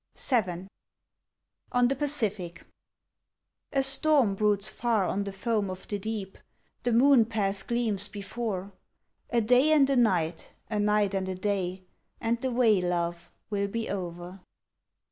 VII ON THE PACIFIC A storm broods far on the foam of the deep; The moon path gleams before. A day and a night, a night and a day, And the way, love, will be o'er.